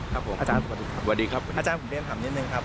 ครับผมอาจารย์สวัสดีครับสวัสดีครับอาจารย์ผมเรียนถามนิดนึงครับ